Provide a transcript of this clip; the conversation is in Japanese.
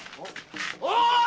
おい！